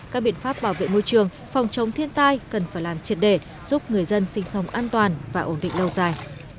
các biện pháp bảo vệ môi trường phòng chống thiên tai cần phải làm triệt để giúp người dân sinh sống an toàn và ổn định lâu dài